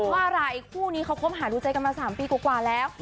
ว่าหลายคู่นี้เขาคมหาดูใจกันมา๓ปีกว่าแล้ว